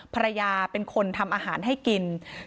ภรรยาเป็นคนทำอาหารให้กิน